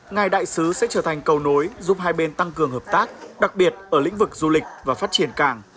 ngài đại sứ sẽ trở thành cầu nối giúp hai bên tăng cường hợp tác đặc biệt ở lĩnh vực du lịch và phát triển cảng